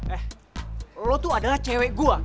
eh lo tuh adalah cewek gue